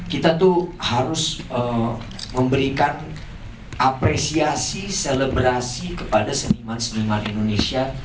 kita tuh harus memberikan apresiasi selebrasi kepada seniman seniman indonesia